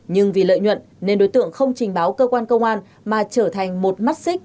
nhưng vì lợi nhuận nên đối tượng không trình báo cơ quan công an mà trở thành một mắt xích